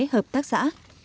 hợp tác xã